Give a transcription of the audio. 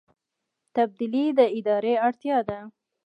تبدیلي د ادارې اړتیا ده